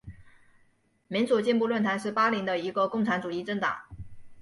民主进步论坛是巴林的一个共产主义政党。